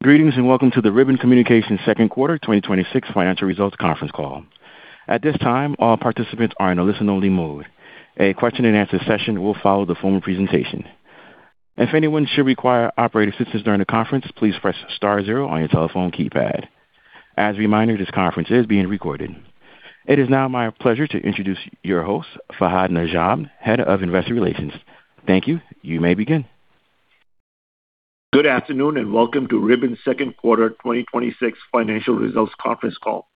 Greetings, welcome to the Ribbon Communications second quarter 2026 financial results conference call. At this time, all participants are in a listen-only mode. A question-and-answer session will follow the formal presentation. If anyone should require operator assistance during the conference, please press star zero on your telephone keypad. As a reminder, this conference is being recorded. It is now my pleasure to introduce your host, Fahad Najam, Head of Investor Relations. Thank you. You may begin. Good afternoon, welcome to Ribbon's second quarter 2026 financial results conference call.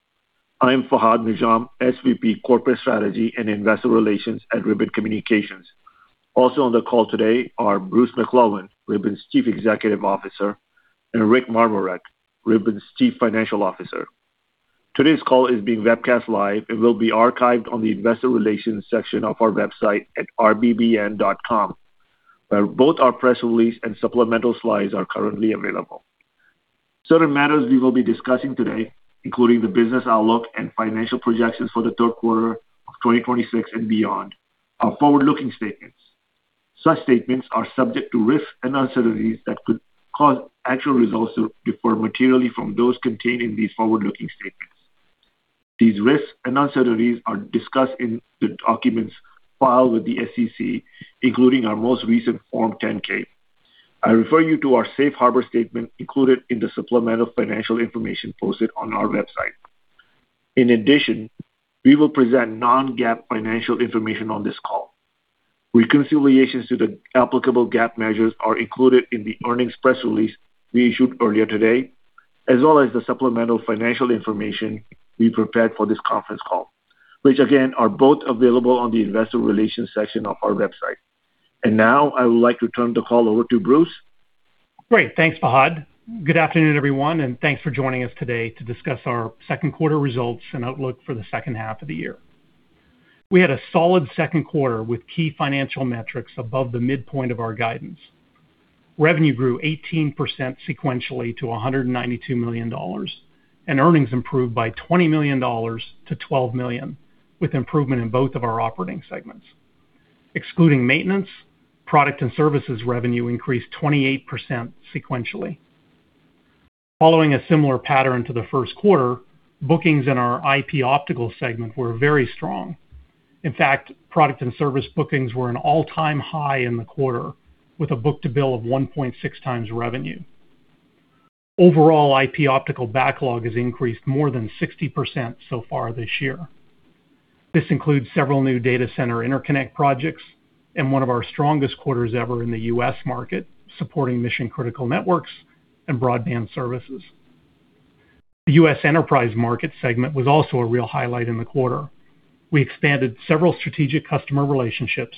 I am Fahad Najam, SVP Corporate Strategy and Investor Relations at Ribbon Communications. Also on the call today are Bruce McClelland, Ribbon's Chief Executive Officer, and Rick Marmorek, Ribbon's Chief Financial Officer. Today's call is being webcast live and will be archived on the investor relations section of our website at rbbn.com, where both our press release and supplemental slides are currently available. Certain matters we will be discussing today, including the business outlook and financial projections for the third quarter of 2026 and beyond, are forward-looking statements. Such statements are subject to risks and uncertainties that could cause actual results to differ materially from those contained in these forward-looking statements. These risks and uncertainties are discussed in the documents filed with the SEC, including our most recent Form 10-K. I refer you to our safe harbor statement included in the supplemental financial information posted on our website. In addition, we will present non-GAAP financial information on this call. Reconciliations to the applicable GAAP measures are included in the earnings press release we issued earlier today, as well as the supplemental financial information we prepared for this conference call, which again are both available on the investor relations section of our website. Now I would like to turn the call over to Bruce. Great. Thanks, Fahad. Good afternoon, everyone, thanks for joining us today to discuss our second quarter results and outlook for the second half of the year. We had a solid second quarter with key financial metrics above the midpoint of our guidance. Revenue grew 18% sequentially to $192 million, earnings improved by $20 million-$12 million, with improvement in both of our operating segments. Excluding maintenance, product and services revenue increased 28% sequentially. Following a similar pattern to the first quarter, bookings in our IP Optical segment were very strong. In fact, product and service bookings were an all-time high in the quarter, with a book-to-bill of 1.6x revenue. Overall IP Optical backlog has increased more than 60% so far this year. This includes several new data center interconnect projects and one of our strongest quarters ever in the U.S. market, supporting mission-critical networks and broadband services. The U.S. enterprise market segment was also a real highlight in the quarter. We expanded several strategic customer relationships,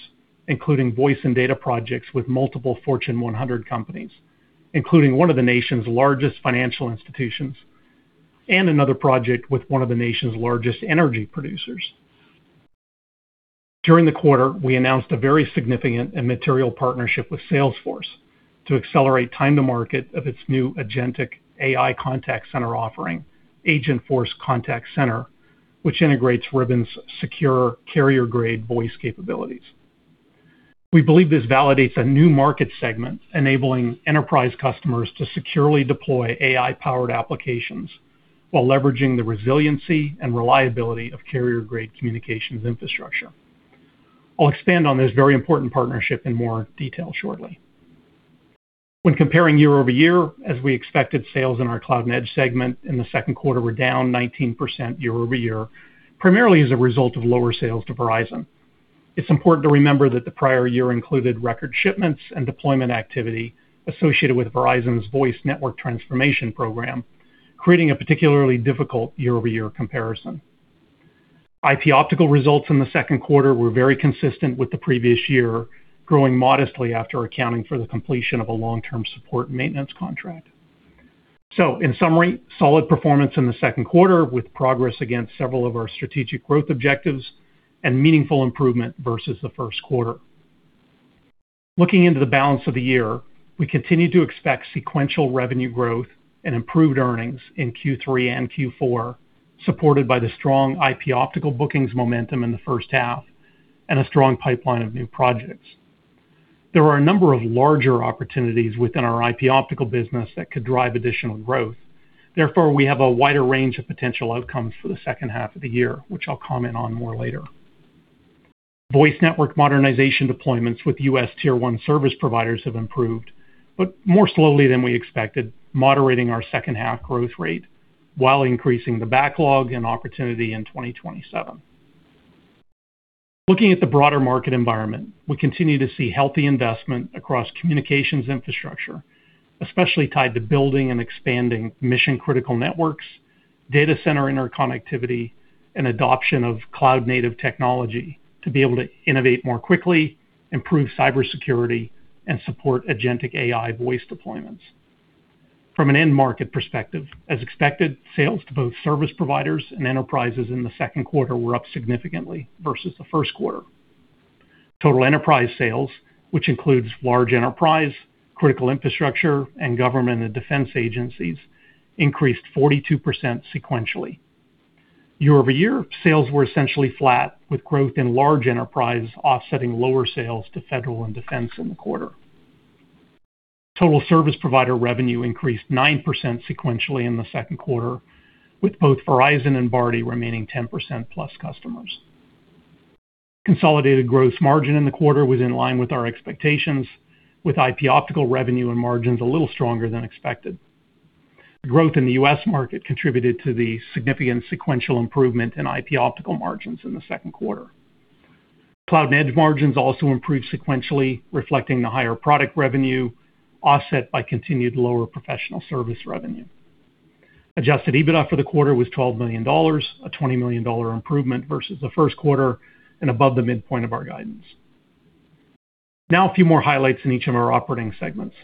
including voice and data projects with multiple Fortune 100 companies, including one of the nation's largest financial institutions and another project with one of the nation's largest energy producers. During the quarter, we announced a very significant and material partnership with Salesforce to accelerate time to market of its new agentic AI contact center offering, Agentforce Contact Center, which integrates Ribbon's secure carrier-grade voice capabilities. We believe this validates a new market segment enabling enterprise customers to securely deploy AI-powered applications while leveraging the resiliency and reliability of carrier-grade communications infrastructure. I'll expand on this very important partnership in more detail shortly. When comparing year-over-year, as we expected, sales in our Cloud and Edge segment in the second quarter were down 19% year-over-year, primarily as a result of lower sales to Verizon. It's important to remember that the prior year included record shipments and deployment activity associated with Verizon's Voice Network Transformation program, creating a particularly difficult year-over-year comparison. IP Optical results in the second quarter were very consistent with the previous year, growing modestly after accounting for the completion of a long-term support maintenance contract. In summary, solid performance in the second quarter with progress against several of our strategic growth objectives and meaningful improvement versus the first quarter. Looking into the balance of the year, we continue to expect sequential revenue growth and improved earnings in Q3 and Q4, supported by the strong IP Optical bookings momentum in the first half and a strong pipeline of new projects. There are a number of larger opportunities within our IP Optical business that could drive additional growth. Therefore, we have a wider range of potential outcomes for the second half of the year, which I'll comment on more later. Voice network modernization deployments with U.S. Tier 1 service providers have improved, but more slowly than we expected, moderating our second half growth rate while increasing the backlog and opportunity in 2027. Looking at the broader market environment, we continue to see healthy investment across communications infrastructure, especially tied to building and expanding mission-critical networks, data center interconnectivity, and adoption of cloud-native technology to be able to innovate more quickly, improve cybersecurity, and support agentic AI voice deployments. From an end market perspective, as expected, sales to both service providers and enterprises in the second quarter were up significantly versus the first quarter. Total enterprise sales, which includes large enterprise, critical infrastructure, and government and defense agencies, increased 42% sequentially. Year-over-year sales were essentially flat with growth in large enterprise offsetting lower sales to federal and defense in the quarter. Total service provider revenue increased 9% sequentially in the second quarter, with both Verizon and Bharti remaining 10%+ customers. Consolidated gross margin in the quarter was in line with our expectations, with IP Optical revenue and margins a little stronger than expected. The growth in the U.S. market contributed to the significant sequential improvement in IP Optical margins in the second quarter. Cloud and Edge margins also improved sequentially, reflecting the higher product revenue offset by continued lower professional service revenue. Adjusted EBITDA for the quarter was $12 million, a $20 million improvement versus the first quarter, and above the midpoint of our guidance. Now a few more highlights in each of our operating segments.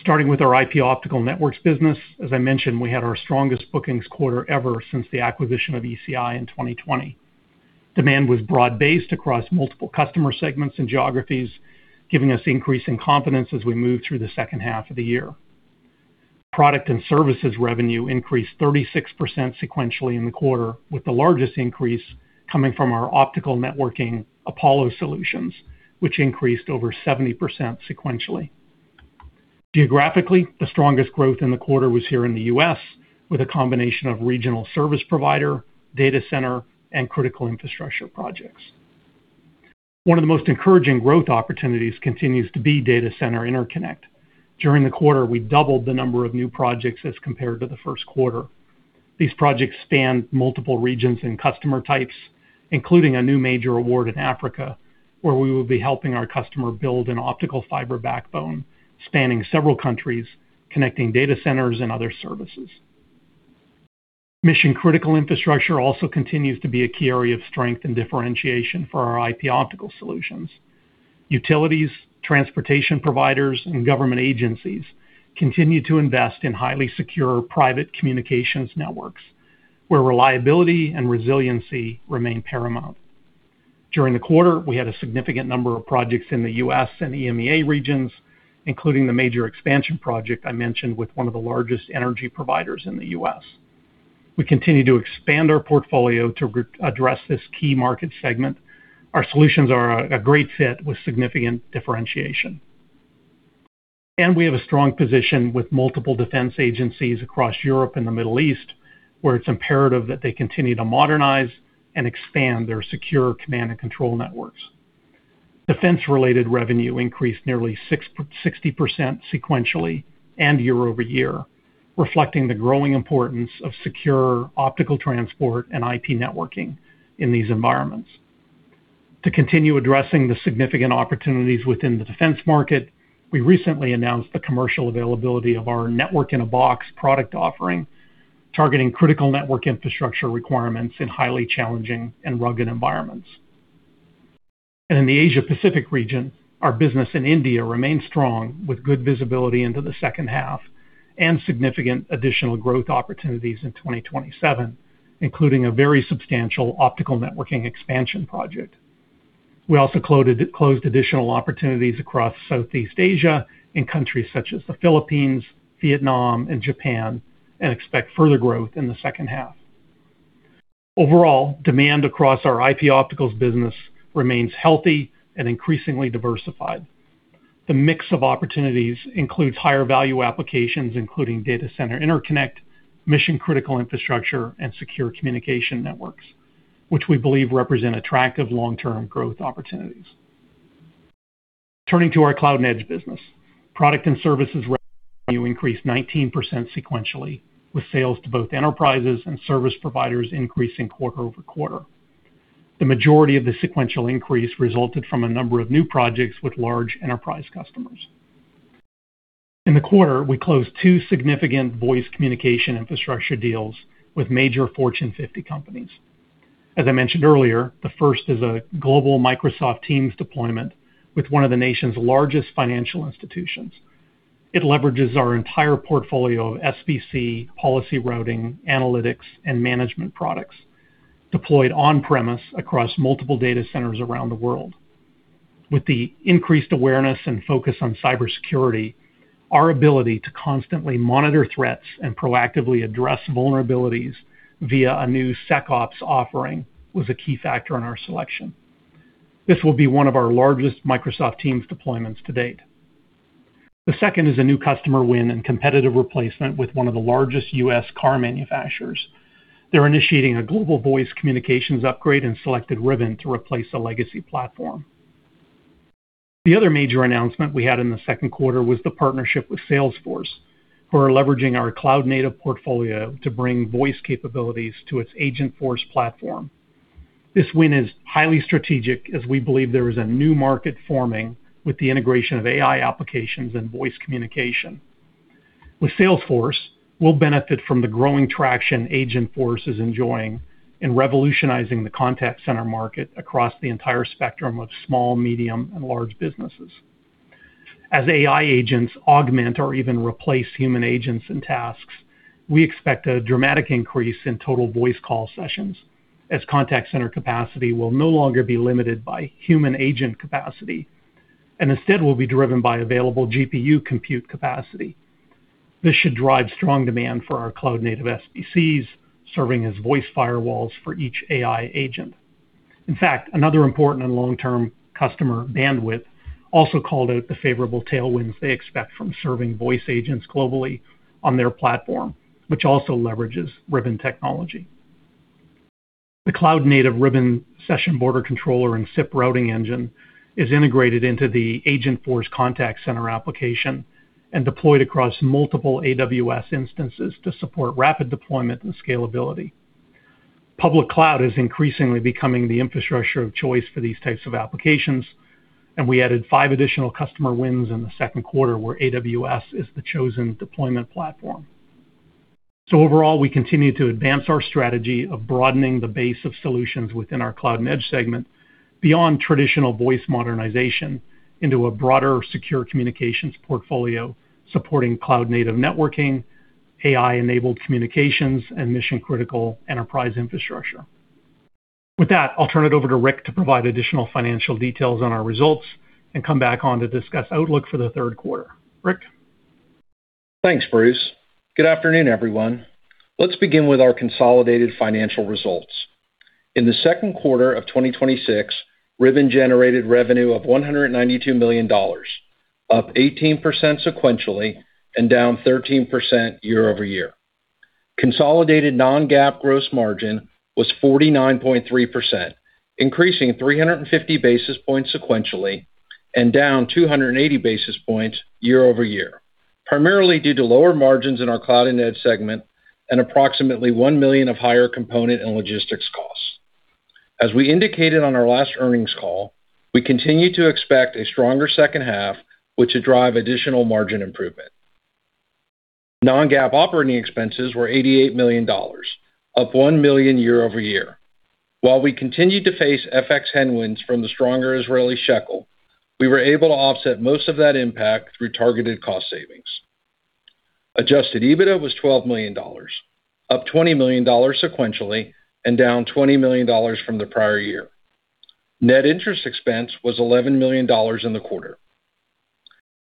Starting with our IP Optical Networks business. As I mentioned, we had our strongest bookings quarter ever since the acquisition of ECI in 2020. Demand was broad-based across multiple customer segments and geographies, giving us increasing confidence as we move through the second half of the year. Product and services revenue increased 36% sequentially in the quarter, with the largest increase coming from our optical networking Apollo solutions, which increased over 70% sequentially. Geographically, the strongest growth in the quarter was here in the U.S. with a combination of regional service provider, data center, and critical infrastructure projects. One of the most encouraging growth opportunities continues to be data center interconnect. During the quarter, we doubled the number of new projects as compared to the first quarter. These projects spanned multiple regions and customer types, including a new major award in Africa, where we will be helping our customer build an optical fiber backbone spanning several countries, connecting data centers and other services. Mission critical infrastructure also continues to be a key area of strength and differentiation for our IP Optical solutions. Utilities, transportation providers, and government agencies continue to invest in highly secure private communications networks where reliability and resiliency remain paramount. During the quarter, we had a significant number of projects in the U.S. and EMEA regions, including the major expansion project I mentioned with one of the largest energy providers in the U.S. We continue to expand our portfolio to address this key market segment. Our solutions are a great fit with significant differentiation. We have a strong position with multiple defense agencies across Europe and the Middle East, where it's imperative that they continue to modernize and expand their secure command and control networks. Defense related revenue increased nearly 60% sequentially and year-over-year, reflecting the growing importance of secure optical transport and IP networking in these environments. To continue addressing the significant opportunities within the defense market, we recently announced the commercial availability of our Network in a Box product offering, targeting critical network infrastructure requirements in highly challenging and rugged environments. In the Asia-Pacific region, our business in India remains strong with good visibility into the second half and significant additional growth opportunities in 2027, including a very substantial optical networking expansion project. We also closed additional opportunities across Southeast Asia in countries such as the Philippines, Vietnam, and Japan, and expect further growth in the second half. Overall, demand across our IP Optical business remains healthy and increasingly diversified. The mix of opportunities includes higher value applications including data center interconnect, mission critical infrastructure, and secure communication networks, which we believe represent attractive long-term growth opportunities. Turning to our Cloud and Edge business. Product and services revenue increased 19% sequentially, with sales to both enterprises and service providers increasing quarter-over-quarter. The majority of the sequential increase resulted from a number of new projects with large enterprise customers. In the quarter, we closed two significant voice communication infrastructure deals with major Fortune 50 companies. As I mentioned earlier, the first is a global Microsoft Teams deployment with one of the nation's largest financial institutions. It leverages our entire portfolio of SBC, policy routing, analytics, and management products deployed on-premise across multiple data centers around the world. With the increased awareness and focus on cybersecurity, our ability to constantly monitor threats and proactively address vulnerabilities via a new SecOps offering was a key factor in our selection. This will be one of our largest Microsoft Teams deployments to date. The second is a new customer win and competitive replacement with one of the largest U.S. car manufacturers. They're initiating a global voice communications upgrade and selected Ribbon to replace a legacy platform. The other major announcement we had in the second quarter was the partnership with Salesforce, who are leveraging our cloud-native portfolio to bring voice capabilities to its Agentforce platform. This win is highly strategic as we believe there is a new market forming with the integration of AI applications and voice communication. With Salesforce, we'll benefit from the growing traction Agentforce is enjoying in revolutionizing the contact center market across the entire spectrum of small, medium, and large businesses. As AI agents augment or even replace human agents and tasks, we expect a dramatic increase in total voice call sessions as contact center capacity will no longer be limited by human agent capacity, and instead will be driven by available GPU compute capacity. This should drive strong demand for our cloud-native SBCs, serving as voice firewalls for each AI agent. In fact, another important and long-term customer, Bandwidth, also called out the favorable tailwinds they expect from serving voice agents globally on their platform, which also leverages Ribbon technology. The cloud-native Ribbon session border controller and SIP routing engine is integrated into the Agentforce Contact Center application and deployed across multiple AWS instances to support rapid deployment and scalability. Public cloud is increasingly becoming the infrastructure of choice for these types of applications, and we added five additional customer wins in the second quarter where AWS is the chosen deployment platform. Overall, we continue to advance our strategy of broadening the base of solutions within our Cloud and Edge segment beyond traditional voice modernization into a broader secure communications portfolio supporting cloud-native networking, AI-enabled communications, and mission-critical enterprise infrastructure. With that, I'll turn it over to Rick to provide additional financial details on our results and come back on to discuss outlook for the third quarter. Rick? Thanks, Bruce. Good afternoon, everyone. Let's begin with our consolidated financial results. In the second quarter of 2026, Ribbon generated revenue of $192 million, up 18% sequentially and down 13% year-over-year. Consolidated non-GAAP gross margin was 49.3%, increasing 350 basis points sequentially and down 280 basis points year-over-year, primarily due to lower margins in our Cloud and Edge segment and approximately $1 million of higher component and logistics costs. As we indicated on our last earnings call, we continue to expect a stronger second half, which will drive additional margin improvement. Non-GAAP operating expenses were $88 million, up $1 million year-over-year. While we continued to face FX headwinds from the stronger Israeli shekel, we were able to offset most of that impact through targeted cost savings. Adjusted EBITDA was $12 million, up $20 million sequentially and down $20 million from the prior year. Net interest expense was $11 million in the quarter.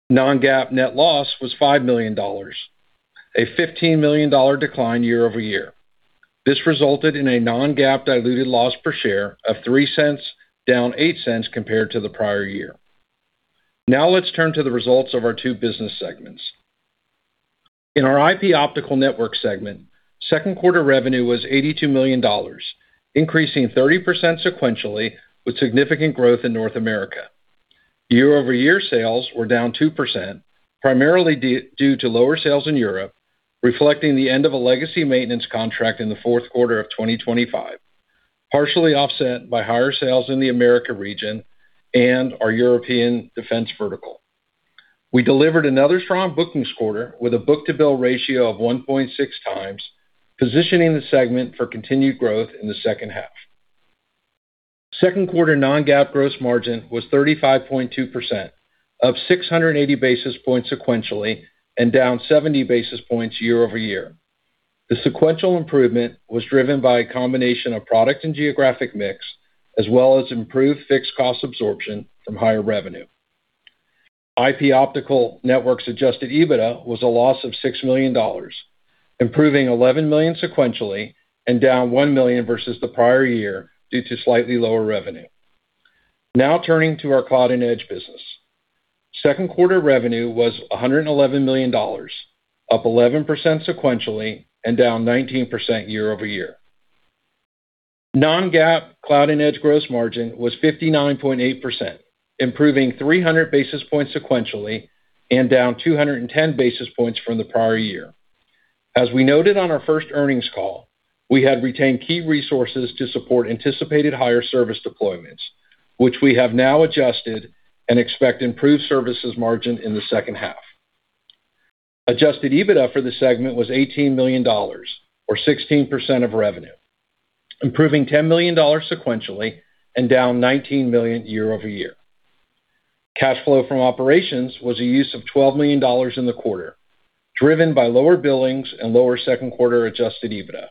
Non-GAAP net loss was $5 million, a $15 million decline year-over-year. This resulted in a non-GAAP diluted loss per share of $0.03, down $0.08 compared to the prior year. Now let's turn to the results of our two business segments. In our IP Optical Networks segment, second quarter revenue was $82 million, increasing 30% sequentially with significant growth in North America. Year-over-year sales were down 2%, primarily due to lower sales in Europe, reflecting the end of a legacy maintenance contract in the fourth quarter of 2025, partially offset by higher sales in the America region and our European defense vertical. We delivered another strong bookings quarter with a book-to-bill ratio of 1.6x, positioning the segment for continued growth in the second half. Second quarter non-GAAP gross margin was 35.2%, up 680 basis points sequentially and down 70 basis points year-over-year. The sequential improvement was driven by a combination of product and geographic mix, as well as improved fixed cost absorption from higher revenue. IP Optical Networks adjusted EBITDA was a loss of $6 million, improving $11 million sequentially and down $1 million versus the prior year due to slightly lower revenue. Now turning to our Cloud and Edge business. Second quarter revenue was $111 million, up 11% sequentially and down 19% year-over-year. Non-GAAP Cloud and Edge gross margin was 59.8%, improving 300 basis points sequentially and down 210 basis points from the prior year. As we noted on our first earnings call, we had retained key resources to support anticipated higher service deployments, which we have now adjusted and expect improved services margin in the second half. Adjusted EBITDA for the segment was $18 million or 16% of revenue, improving $10 million sequentially and down $19 million year-over-year. Cash flow from operations was a use of $12 million in the quarter, driven by lower billings and lower second quarter adjusted EBITDA.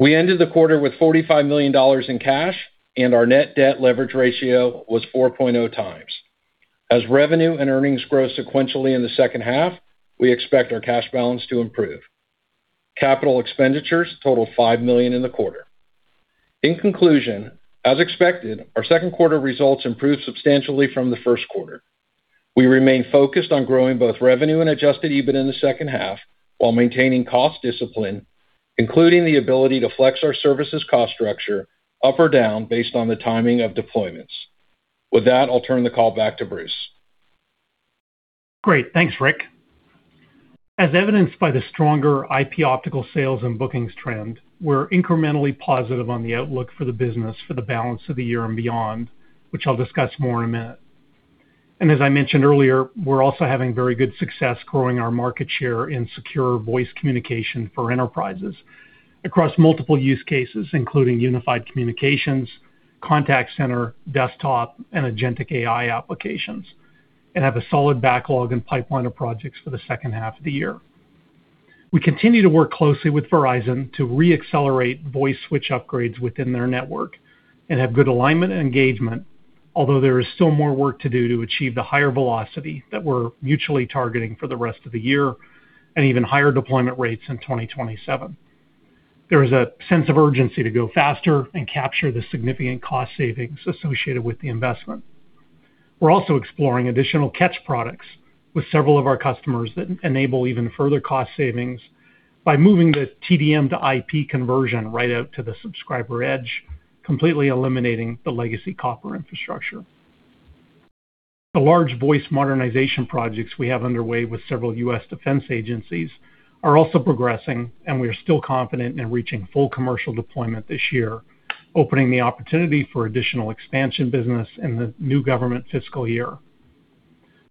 We ended the quarter with $45 million in cash and our net debt leverage ratio was 4.0 times. As revenue and earnings grow sequentially in the second half, we expect our cash balance to improve. Capital expenditures totaled $5 million in the quarter. In conclusion, as expected, our second quarter results improved substantially from the first quarter. We remain focused on growing both revenue and adjusted EBIT in the second half while maintaining cost discipline, including the ability to flex our services cost structure up or down based on the timing of deployments. With that, I'll turn the call back to Bruce. Great. Thanks, Rick. As evidenced by the stronger IP Optical sales and bookings trend, we're incrementally positive on the outlook for the business for the balance of the year and beyond, which I'll discuss more in a minute. As I mentioned earlier, we're also having very good success growing our market share in secure voice communication for enterprises across multiple use cases, including unified communications, contact center, desktop, and agentic AI applications, and have a solid backlog and pipeline of projects for the second half of the year. We continue to work closely with Verizon to re-accelerate voice switch upgrades within their network and have good alignment and engagement, although there is still more work to do to achieve the higher velocity that we're mutually targeting for the rest of the year, and even higher deployment rates in 2027. There is a sense of urgency to go faster and capture the significant cost savings associated with the investment. We're also exploring additional catch products with several of our customers that enable even further cost savings by moving the TDM-to-IP conversion right out to the subscriber edge, completely eliminating the legacy copper infrastructure. The large voice modernization projects we have underway with several U.S. defense agencies are also progressing. We are still confident in reaching full commercial deployment this year, opening the opportunity for additional expansion business in the new government fiscal year.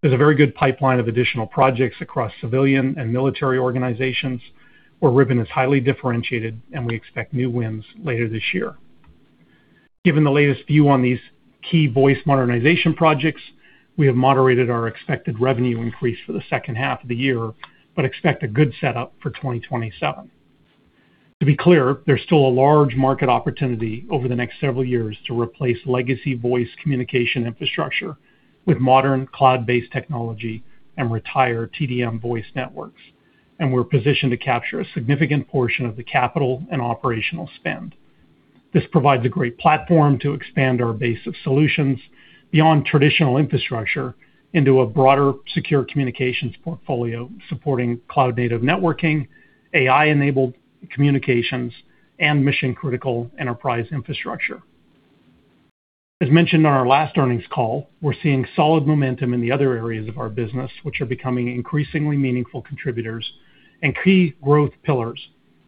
There's a very good pipeline of additional projects across civilian and military organizations where Ribbon is highly differentiated. We expect new wins later this year. Given the latest view on these key voice modernization projects, we have moderated our expected revenue increase for the second half of the year, but expect a good setup for 2027. To be clear, there's still a large market opportunity over the next several years to replace legacy voice communication infrastructure with modern cloud-based technology and retire TDM voice networks, and we're positioned to capture a significant portion of the capital and operational spend. This provides a great platform to expand our base of solutions beyond traditional infrastructure into a broader secure communications portfolio supporting cloud-native networking, AI-enabled communications, and mission-critical enterprise infrastructure. As mentioned on our last earnings call, we're seeing solid momentum in the other areas of our business, which are becoming increasingly meaningful contributors and key growth pillars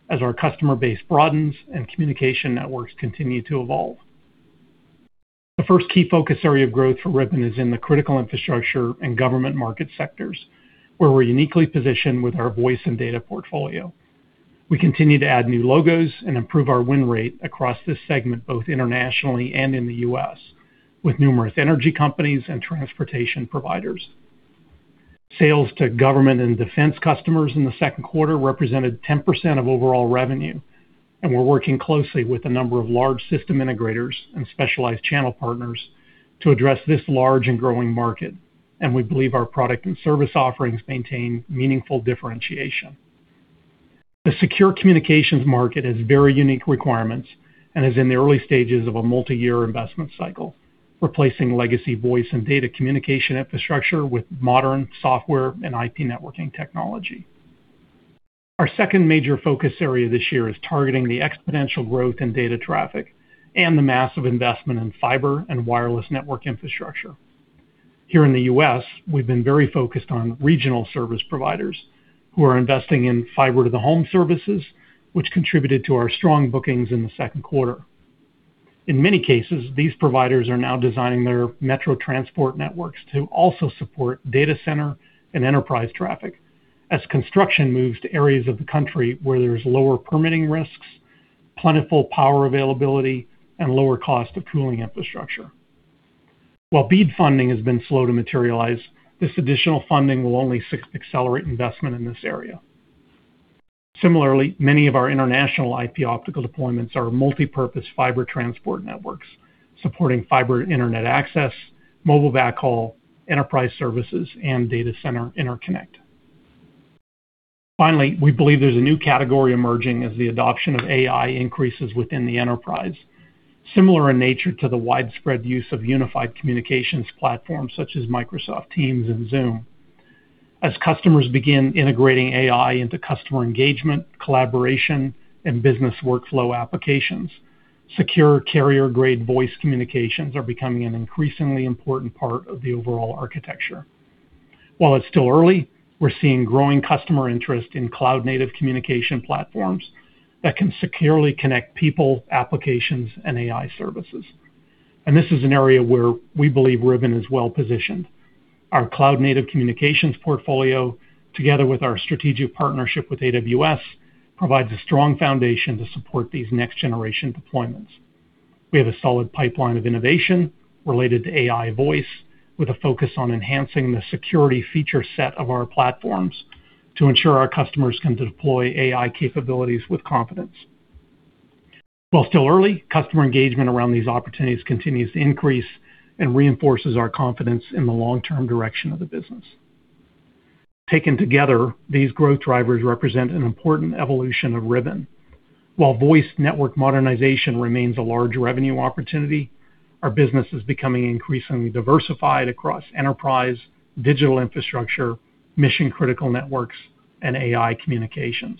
as our customer base broadens and communication networks continue to evolve. The first key focus area of growth for Ribbon is in the critical infrastructure and government market sectors, where we're uniquely positioned with our voice and data portfolio. We continue to add new logos and improve our win rate across this segment, both internationally and in the U.S., with numerous energy companies and transportation providers. Sales to government and defense customers in the second quarter represented 10% of overall revenue. We're working closely with a number of large system integrators and specialized channel partners to address this large and growing market. We believe our product and service offerings maintain meaningful differentiation. The secure communications market has very unique requirements and is in the early stages of a multi-year investment cycle, replacing legacy voice and data communication infrastructure with modern software and IP networking technology. Our second major focus area this year is targeting the exponential growth in data traffic and the massive investment in fiber and wireless network infrastructure. Here in the U.S., we've been very focused on regional service providers who are investing in fiber-to-the-home services, which contributed to our strong bookings in the second quarter. In many cases, these providers are now designing their metro transport networks to also support data center and enterprise traffic as construction moves to areas of the country where there's lower permitting risks, plentiful power availability, and lower cost of cooling infrastructure. While BEAD funding has been slow to materialize, this additional funding will only accelerate investment in this area. Similarly, many of our international IP Optical deployments are multipurpose fiber transport networks supporting fiber internet access, mobile backhaul, enterprise services, and data center interconnect. Finally, we believe there's a new category emerging as the adoption of AI increases within the enterprise, similar in nature to the widespread use of unified communications platforms such as Microsoft Teams and Zoom. As customers begin integrating AI into customer engagement, collaboration, and business workflow applications, secure carrier-grade voice communications are becoming an increasingly important part of the overall architecture. While it's still early, we're seeing growing customer interest in cloud-native communication platforms that can securely connect people, applications, and AI services. This is an area where we believe Ribbon is well-positioned. Our cloud-native communications portfolio, together with our strategic partnership with AWS, provides a strong foundation to support these next-generation deployments. We have a solid pipeline of innovation related to AI voice, with a focus on enhancing the security feature set of our platforms to ensure our customers can deploy AI capabilities with confidence. While still early, customer engagement around these opportunities continues to increase and reinforces our confidence in the long-term direction of the business. Taken together, these growth drivers represent an important evolution of Ribbon. While voice network modernization remains a large revenue opportunity, our business is becoming increasingly diversified across enterprise, digital infrastructure, mission-critical networks, and AI communications.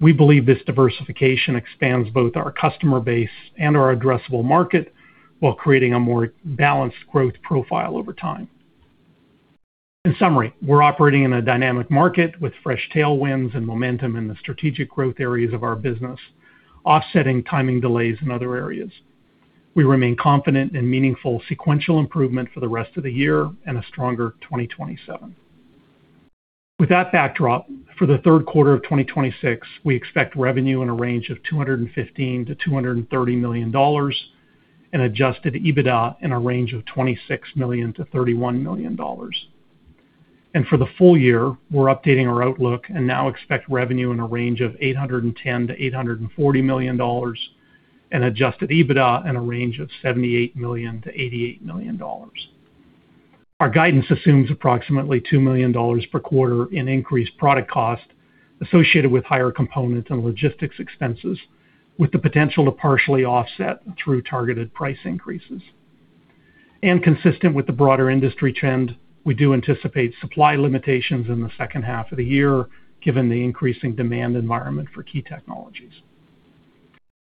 We believe this diversification expands both our customer base and our addressable market while creating a more balanced growth profile over time. In summary, we're operating in a dynamic market with fresh tailwinds and momentum in the strategic growth areas of our business, offsetting timing delays in other areas. We remain confident in meaningful sequential improvement for the rest of the year and a stronger 2027. With that backdrop, for the third quarter of 2026, we expect revenue in a range of $215 million-$230 million. Adjusted EBITDA in a range of $26 million-$31 million. For the full year, we're updating our outlook and now expect revenue in a range of $810 million-$840 million, and Adjusted EBITDA in a range of $78 million-$88 million. Our guidance assumes approximately $2 million per quarter in increased product cost associated with higher components and logistics expenses, with the potential to partially offset through targeted price increases. Consistent with the broader industry trend, we do anticipate supply limitations in the second half of the year given the increasing demand environment for key technologies.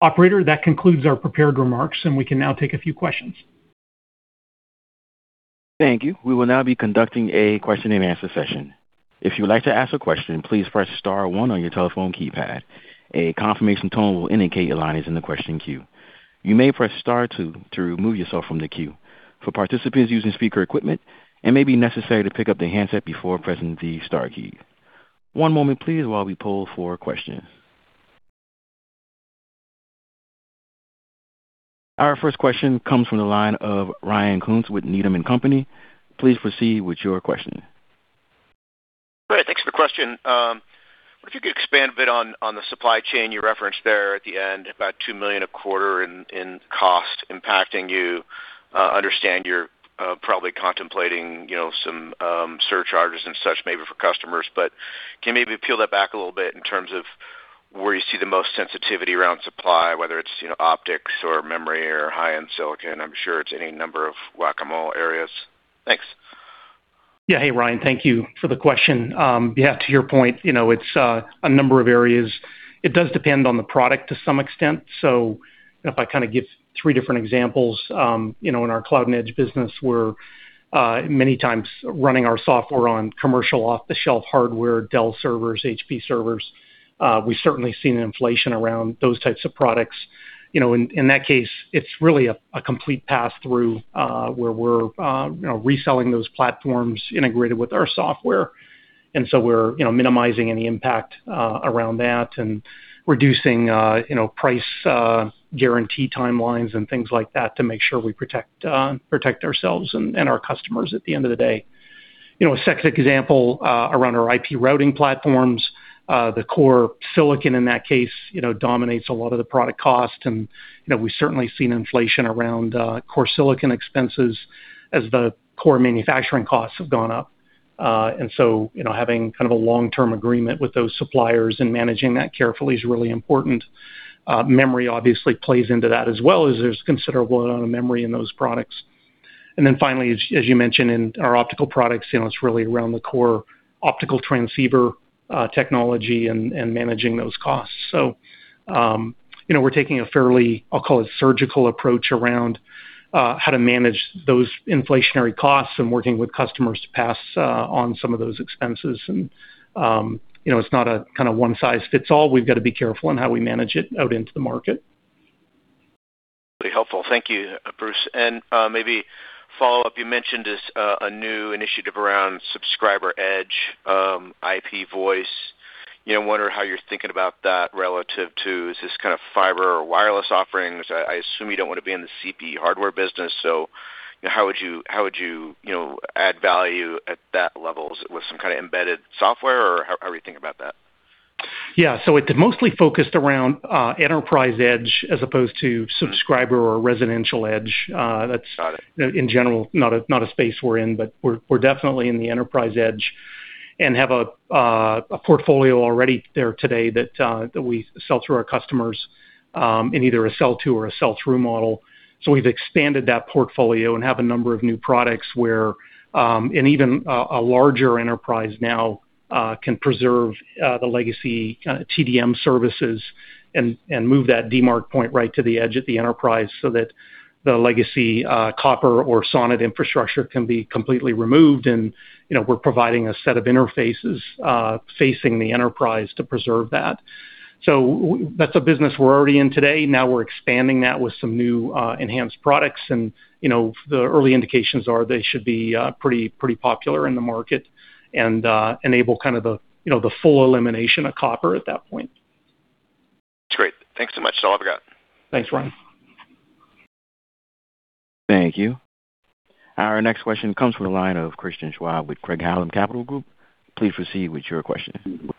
Operator, that concludes our prepared remarks, and we can now take a few questions. Thank you. We will now be conducting a question and answer session. If you would like to ask a question, please press star one on your telephone keypad. A confirmation tone will indicate your line is in the question queue. You may press star two to remove yourself from the queue. For participants using speaker equipment, it may be necessary to pick up the handset before pressing the star key. One moment please, while we poll for questions. Our first question comes from the line of Ryan Koontz with Needham & Company. Please proceed with your question. Great. Thanks for the question. I wonder if you could expand a bit on the supply chain you referenced there at the end about $2 million a quarter in cost impacting you. Can you maybe peel that back a little bit in terms of where you see the most sensitivity around supply, whether it's optics or memory or high-end silicon? I'm sure it's any number of whack-a-mole areas. Thanks. Hey, Ryan, thank you for the question. To your point, it's a number of areas. It does depend on the product to some extent. If I give three different examples. In our Cloud and Edge business, we're many times running our software on commercial off-the-shelf hardware, Dell servers, HP servers. We've certainly seen an inflation around those types of products. In that case, it's really a complete pass-through, where we're reselling those platforms integrated with our software. We're minimizing any impact around that and reducing price guarantee timelines and things like that to make sure we protect ourselves and our customers at the end of the day. A second example, around our IP routing platforms. The core silicon in that case dominates a lot of the product cost, and we've certainly seen inflation around core silicon expenses as the core manufacturing costs have gone up. Having a long-term agreement with those suppliers and managing that carefully is really important. Memory obviously plays into that as well, as there's a considerable amount of memory in those products. Finally, as you mentioned, in our optical products, it's really around the core optical transceiver technology and managing those costs. We're taking a fairly, I'll call it surgical approach around how to manage those inflationary costs and working with customers to pass on some of those expenses. It's not a one-size-fits-all. We've got to be careful in how we manage it out into the market. Really helpful. Thank you, Bruce. Maybe follow up, you mentioned this new initiative around subscriber edge, IP voice. I wonder how you're thinking about that relative to, is this kind of fiber or wireless offerings? I assume you don't want to be in the CPE hardware business, so how would you add value at that level? Is it with some kind of embedded software, or how are we thinking about that? Yeah. It mostly focused around enterprise edge as opposed to subscriber or residential edge. Got it. That's, in general, not a space we're in, but we're definitely in the enterprise edge and have a portfolio already there today that we sell through our customers in either a sell to or a sell through model. We've expanded that portfolio and have a number of new products where, and even a larger enterprise now can preserve the legacy TDM services and move that demark point right to the edge at the enterprise so that the legacy copper or SONET infrastructure can be completely removed. We're providing a set of interfaces facing the enterprise to preserve that. That's a business we're already in today. Now we're expanding that with some new enhanced products, and the early indications are they should be pretty popular in the market and enable the full elimination of copper at that point. That's great. Thanks so much. That's all I've got. Thanks, Ryan. Thank you. Our next question comes from the line of Christian Schwab with Craig-Hallum Capital Group. Please proceed with your question.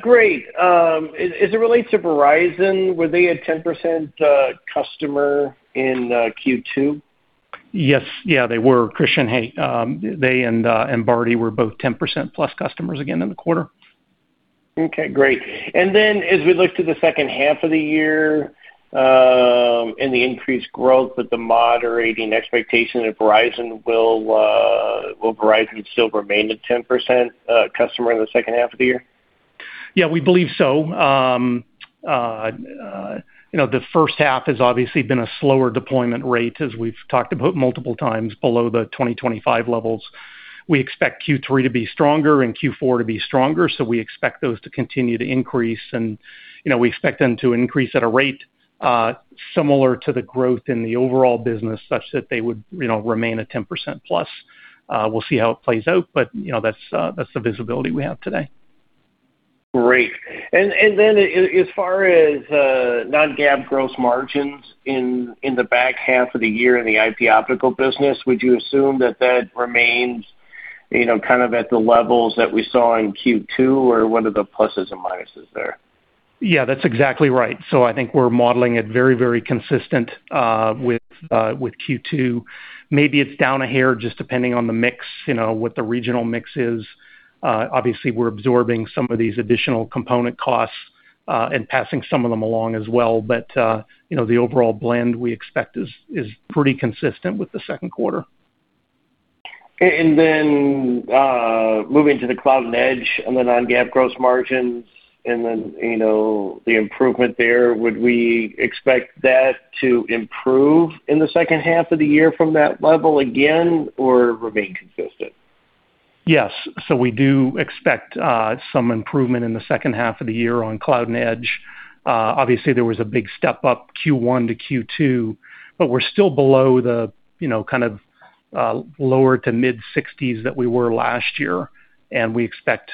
Great. As it relates to Verizon, were they a 10% customer in Q2? Yes. Yeah, they were. Christian, hey. They and Bharti were both 10%+ customers again in the quarter. Okay, great. As we look to the second half of the year, and the increased growth, but the moderating expectation of Verizon, will Verizon still remain a 10% customer in the second half of the year? Yeah, we believe so. The first half has obviously been a slower deployment rate, as we've talked about multiple times below the 2025 levels. We expect Q3 to be stronger and Q4 to be stronger, so we expect those to continue to increase and we expect them to increase at a rate similar to the growth in the overall business such that they would remain at 10%+. We'll see how it plays out, but that's the visibility we have today. Great. As far as non-GAAP gross margins in the back half of the year in the IP Optical business, would you assume that that remains at the levels that we saw in Q2, or what are the pluses and minuses there? Yeah, that's exactly right. I think we're modeling it very consistent with Q2. Maybe it's down a hair just depending on the mix, what the regional mix is. Obviously, we're absorbing some of these additional component costs and passing some of them along as well. The overall blend we expect is pretty consistent with the second quarter. Moving to the Cloud and Edge on the non-GAAP gross margins, the improvement there, would we expect that to improve in the second half of the year from that level again or remain consistent? Yes. We do expect some improvement in the second half of the year on Cloud and Edge. Obviously, there was a big step up Q1 to Q2, we're still below the lower to mid-60s that we were last year. We expect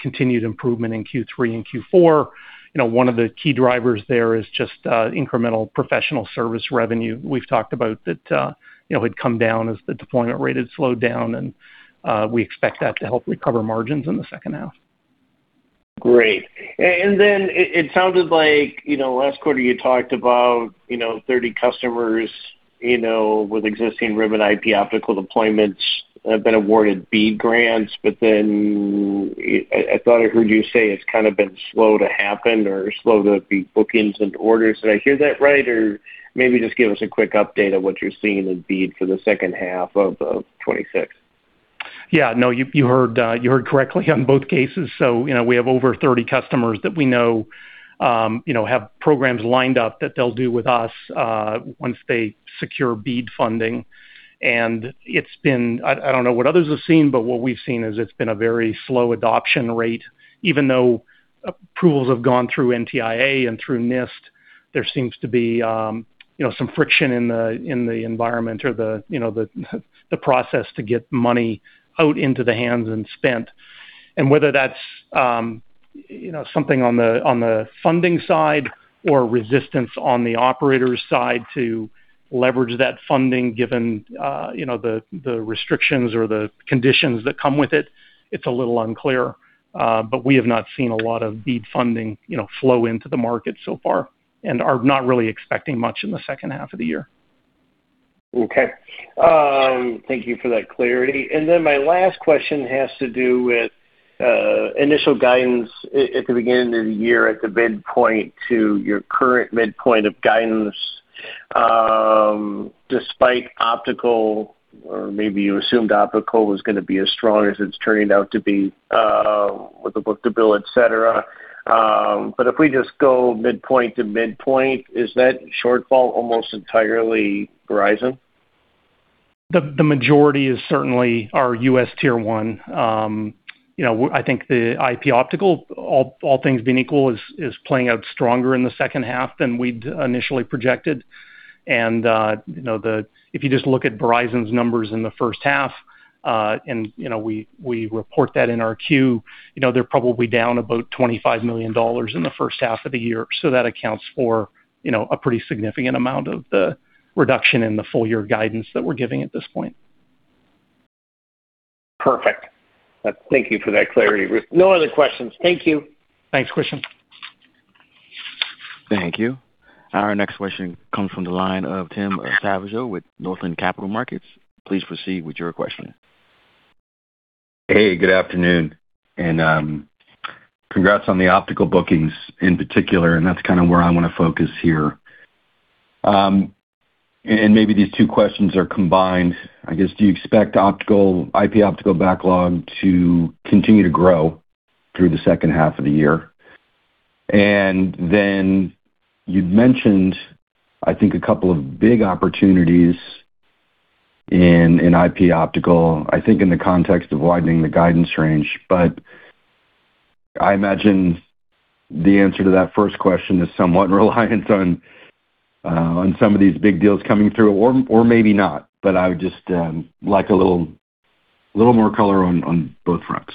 continued improvement in Q3 and Q4. One of the key drivers there is just incremental professional service revenue. We've talked about that had come down as the deployment rate had slowed down, we expect that to help recover margins in the second half. Great. It sounded like last quarter you talked about 30 customers with existing Ribbon IP Optical deployments have been awarded BEAD grants. I thought I heard you say it's kind of been slow to happen or slow to be bookings and orders. Did I hear that right? Or maybe just give us a quick update on what you're seeing in BEAD for the second half of 2026. You heard correctly on both cases. We have over 30 customers that we know have programs lined up that they'll do with us once they secure BEAD funding. It's been, I don't know what others have seen, but what we've seen is it's been a very slow adoption rate, even though approvals have gone through NTIA and through NIST. There seems to be some friction in the environment or the process to get money out into the hands and spent. Whether that's something on the funding side or resistance on the operator's side to leverage that funding, given the restrictions or the conditions that come with it's a little unclear. We have not seen a lot of BEAD funding flow into the market so far and are not really expecting much in the second half of the year. Thank you for that clarity. My last question has to do with initial guidance at the beginning of the year at the midpoint to your current midpoint of guidance. Despite optical, or maybe you assumed optical was going to be as strong as it's turning out to be with the book-to-bill, et cetera. If we just go midpoint to midpoint, is that shortfall almost entirely Verizon? The majority is certainly our U.S. Tier 1. I think the IP Optical, all things being equal, is playing out stronger in the second half than we'd initially projected. If you just look at Verizon's numbers in the first half, and we report that in our Q, they're probably down about 25 million in the first half of the year. That accounts for a pretty significant amount of the reduction in the full year guidance that we're giving at this point. Perfect. Thank you for that clarity. No other questions. Thank you. Thanks, Christian. Thank you. Our next question comes from the line of Tim Savageaux with Northland Capital Markets. Please proceed with your question. Hey, good afternoon. Congrats on the optical bookings in particular, and that's kind of where I want to focus here. Maybe these two questions are combined. I guess, do you expect IP Optical backlog to continue to grow through the second half of the year? Then you'd mentioned, I think a couple of big opportunities in IP Optical, I think in the context of widening the guidance range. I imagine the answer to that first question is somewhat reliant on some of these big deals coming through, or maybe not. I would just like a little more color on both fronts.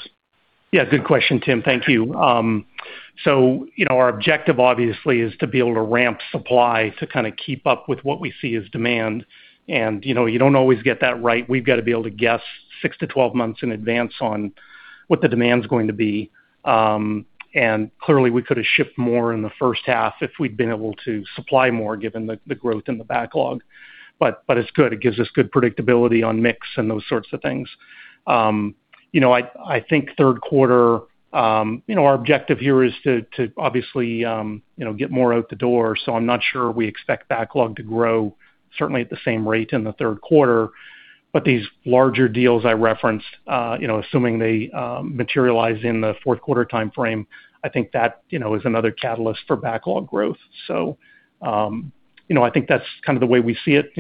Yeah, good question, Tim. Thank you. Our objective obviously is to be able to ramp supply to kind of keep up with what we see as demand. You don't always get that right. We've got to be able to guess 6-12 months in advance on what the demand's going to be. Clearly we could have shipped more in the first half if we'd been able to supply more, given the growth in the backlog. It's good. It gives us good predictability on mix and those sorts of things. I think third quarter, our objective here is to obviously get more out the door. I'm not sure we expect backlog to grow certainly at the same rate in the third quarter. These larger deals I referenced, assuming they materialize in the fourth quarter timeframe, I think that is another catalyst for backlog growth. That's kind of the way we see it.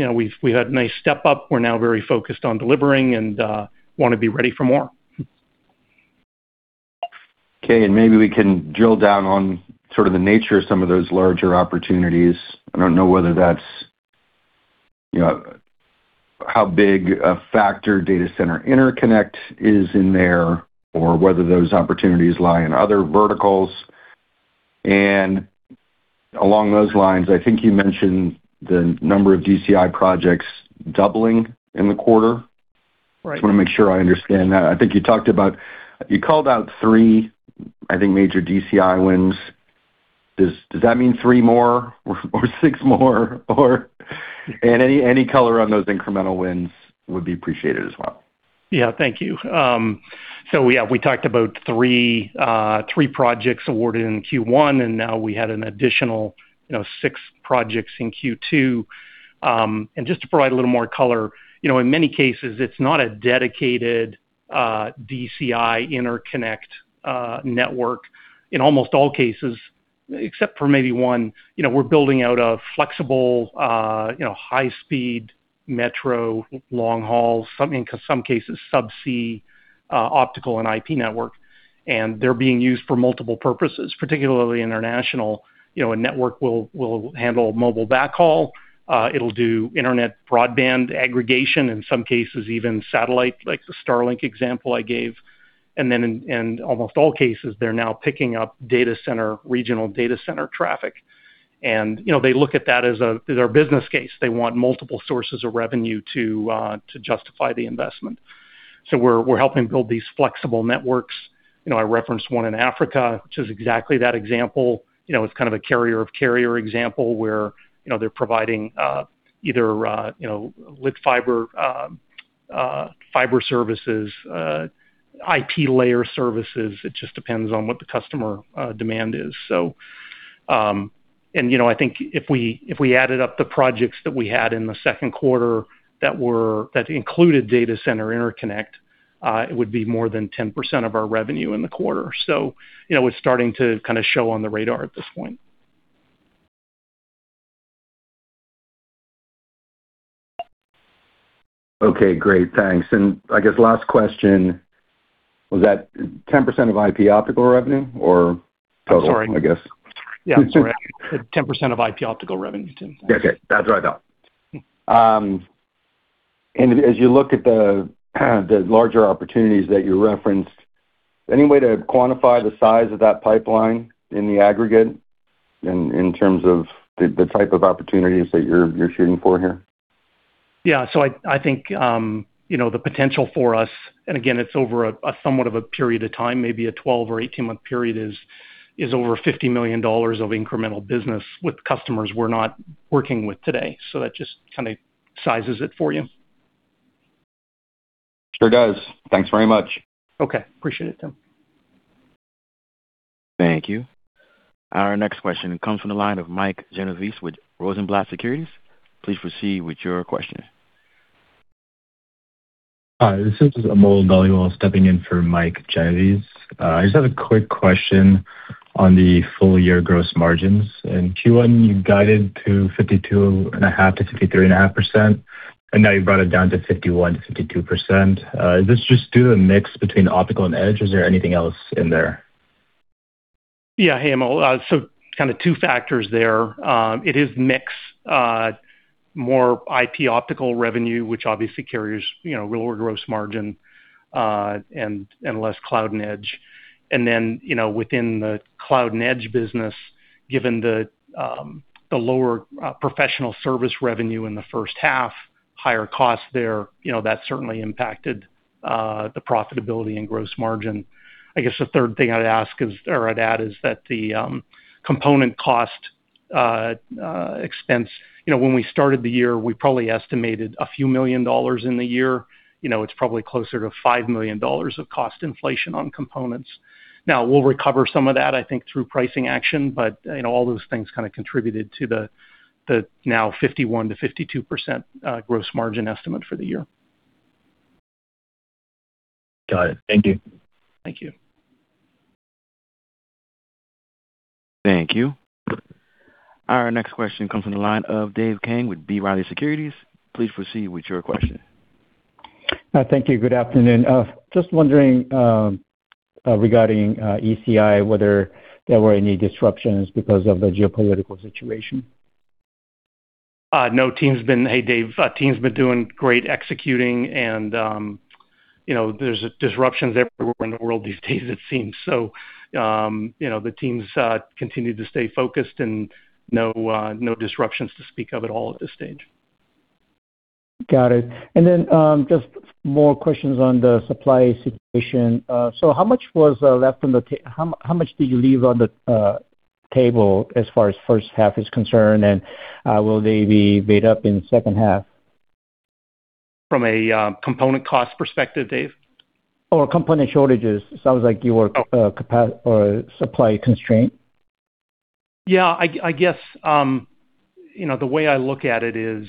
We've had a nice step up. We're now very focused on delivering and want to be ready for more. Okay, maybe we can drill down on sort of the nature of some of those larger opportunities. I don't know whether that's you know, how big a factor data center interconnect is in there, or whether those opportunities lie in other verticals. Along those lines, I think you mentioned the number of DCI projects doubling in the quarter. Right. Just want to make sure I understand that. I think you talked about, you called out three, I think, major DCI wins. Does that mean three more or six more? Any color on those incremental wins would be appreciated as well. Yeah. Thank you. Yeah, we talked about three projects awarded in Q1, now we had an additional six projects in Q2. Just to provide a little more color, in many cases, it's not a dedicated DCI interconnect network. In almost all cases, except for maybe one, we're building out a flexible, high speed metro long haul, in some cases subsea, optical and IP network. They're being used for multiple purposes, particularly international. A network will handle mobile backhaul. It'll do internet broadband aggregation, in some cases, even satellite, like the Starlink example I gave. Then in almost all cases, they're now picking up regional data center traffic. They look at that as their business case. They want multiple sources of revenue to justify the investment. We're helping build these flexible networks. I referenced one in Africa, which is exactly that example. It's a carrier of carrier example where they're providing either lit fiber services, IP layer services. It just depends on what the customer demand is. I think if we added up the projects that we had in the second quarter that included data center interconnect, it would be more than 10% of our revenue in the quarter. It's starting to show on the radar at this point. Okay, great. Thanks. I guess last question, was that 10% of IP Optical revenue or total, I guess? I'm sorry. Yeah, sorry. 10% of IP Optical revenue, Tim. Okay. That's what I thought. As you look at the larger opportunities that you referenced, any way to quantify the size of that pipeline in the aggregate, in terms of the type of opportunities that you're shooting for here? I think, the potential for us, and again, it's over a somewhat of a period of time, maybe a 12 or 18-month period, is over $50 million of incremental business with customers we're not working with today. That just sizes it for you. Sure does. Thanks very much. Appreciate it, Tim. Thank you. Our next question comes from the line of Mike Genovese with Rosenblatt Securities. Please proceed with your question. Hi, this is Amol Dhaliwal, stepping in for Mike Genovese. I just have a quick question on the full-year gross margins. In Q1, you guided to 52.5%-53.5%. Now you brought it down to 51%-52%. Is this just due to the mix between optical and edge or is there anything else in there? Yeah. Hey, Amol. Two factors there. It is mix, more IP optical revenue, which obviously carries lower gross margin, and less Cloud and Edge. Then, within the Cloud and Edge business, given the lower professional service revenue in the first half, higher costs there, that certainly impacted the profitability and gross margin. I guess the third thing I'd add is that the component cost expense. When we started the year, we probably estimated a few million dollars in the year. It's probably closer to $5 million of cost inflation on components. We'll recover some of that, I think, through pricing action, all those things contributed to the now 51%-52% gross margin estimate for the year. Got it. Thank you. Thank you. Thank you. Our next question comes from the line of Dave Kang with B. Riley Securities. Please proceed with your question. Thank you. Good afternoon. Just wondering, regarding ECI, whether there were any disruptions because of the geopolitical situation. No. Hey, Dave. Team's been doing great executing and there's disruptions everywhere in the world these days it seems. The team's continued to stay focused and no disruptions to speak of at all at this stage. Just more questions on the supply situation. How much did you leave on the table as far as first half is concerned, and will they be made up in second half? From a component cost perspective, Dave? Component shortages. Sounds like you were supply constrained. Yeah. I guess, the way I look at it is,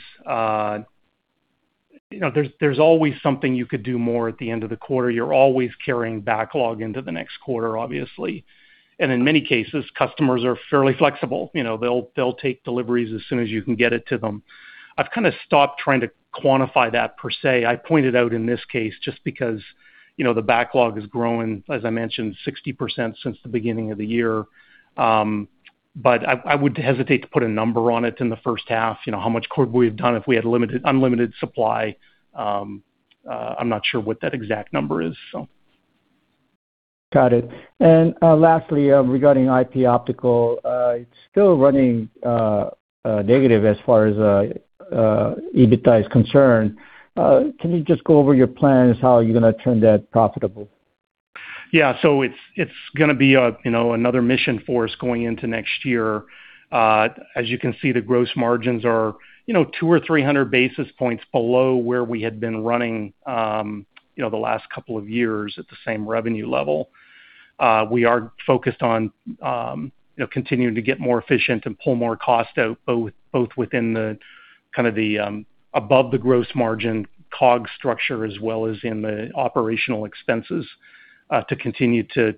there's always something you could do more at the end of the quarter. You're always carrying backlog into the next quarter, obviously. In many cases, customers are fairly flexible. They'll take deliveries as soon as you can get it to them. I've stopped trying to quantify that per se. I pointed out in this case, just because the backlog has grown, as I mentioned, 60% since the beginning of the year. I would hesitate to put a number on it in the first half. How much could we have done if we had unlimited supply? I'm not sure what that exact number is. Got it. Lastly, regarding IP Optical, it's still running negative as far as EBITDA is concerned. Can you just go over your plans, how are you going to turn that profitable? Yeah. It's going to be another mission for us going into next year. As you can see, the gross margins are 200 or 300 basis points below where we had been running the last couple of years at the same revenue level. We are focused on continuing to get more efficient and pull more cost out, both within the above the gross margin COGS structure, as well as in the operational expenses, to continue to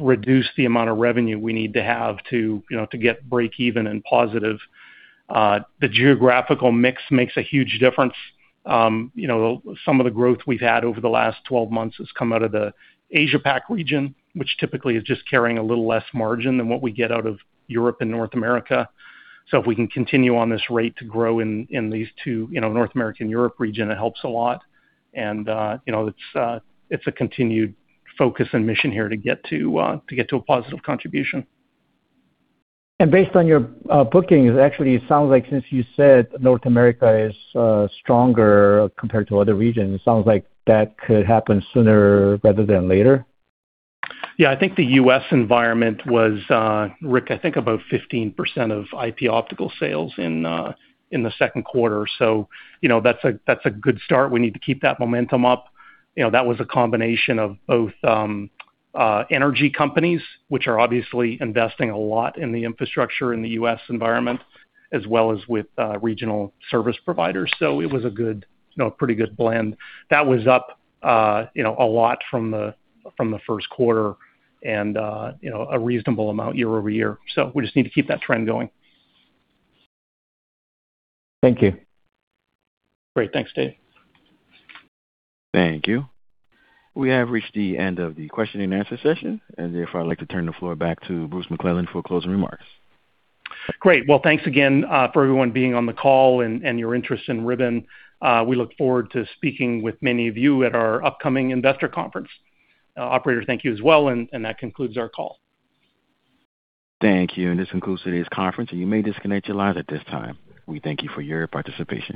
reduce the amount of revenue we need to have to get breakeven and positive. The geographical mix makes a huge difference. Some of the growth we've had over the last 12 months has come out of the Asia Pac region, which typically is just carrying a little less margin than what we get out of Europe and North America. If we can continue on this rate to grow in these two, North American, Europe region, it helps a lot. It's a continued focus and mission here to get to a positive contribution. Based on your bookings, actually, it sounds like since you said North America is stronger compared to other regions, it sounds like that could happen sooner rather than later. Yeah, I think the U.S. environment was, Rick, I think about 15% of IP Optical sales in the second quarter. That's a good start. We need to keep that momentum up. That was a combination of both energy companies, which are obviously investing a lot in the infrastructure in the U.S. environment, as well as with regional service providers. It was a pretty good blend. That was up a lot from the first quarter and a reasonable amount year-over-year. We just need to keep that trend going. Thank you. Great. Thanks, Dave. Thank you. We have reached the end of the question and answer session, and therefore, I'd like to turn the floor back to Bruce McClelland for closing remarks. Great. Well, thanks again for everyone being on the call and your interest in Ribbon. We look forward to speaking with many of you at our upcoming investor conference. Operator, thank you as well, and that concludes our call. Thank you. This concludes today's conference. You may disconnect your lines at this time. We thank you for your participation.